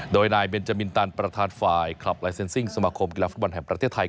โดยนายเบนจามินตันประธานฝ่ายคลับลายเซ็นซิ่งสมาคมกีฬาฟุตบอลแห่งประเทศไทย